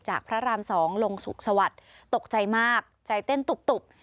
พระราม๒ลงสุขสวัสดิ์ตกใจมากใจเต้นตุบ